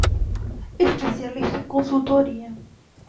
Especialista em consultoria